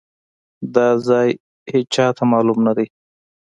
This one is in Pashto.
دا ځای ايچاته مالوم ندی.